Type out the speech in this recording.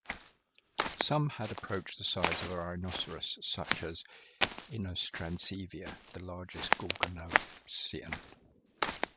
Some had approached the size of a rhinoceros, such as "Inostrancevia", the largest gorgonopsian.